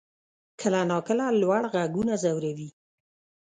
کله ناکله لوړ غږونه ځوروي.